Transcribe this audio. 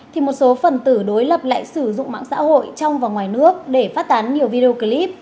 thì một số phần tử đối lập lại sử dụng mạng xã hội trong và ngoài nước để phát tán nhiều video clip